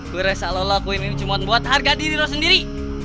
gue resah lo lakuin ini cuma buat harga diri lo sendiri